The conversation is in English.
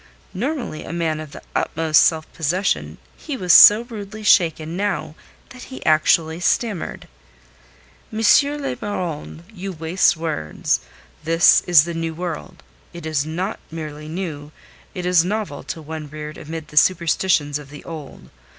Normally a man of the utmost self possession he was so rudely shaken now that he actually stammered. "M. le Baron, you waste words. This is the New World. It is not merely new; it is novel to one reared amid the superstitions of the Old.